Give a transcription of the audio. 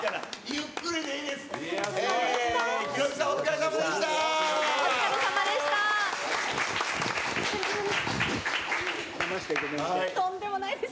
ゆっくりでいいです。